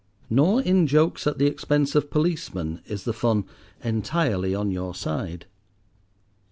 Nor in jokes at the expense of policemen is the fun entirely on your side.